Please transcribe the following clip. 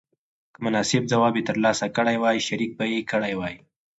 که مناسب ځواب یې تر لاسه کړی وای شریک به یې کړی وای.